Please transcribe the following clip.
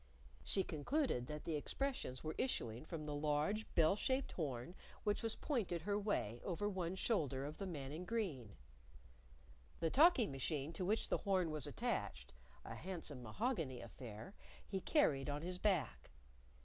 She concluded that the expressions were issuing from the large bell shaped horn which was pointed her way over one shoulder of the man in green. The talking machine to which the horn was attached a handsome mahogany affair he carried on his back.